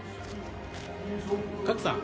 賀来さん